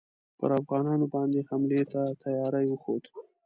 پر افغانانو باندي حملې ته تیاری وښود.